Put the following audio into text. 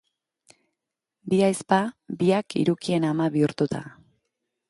Bi ahizpa, biak hirukien ama bihurtuta!